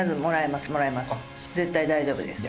絶対大丈夫です。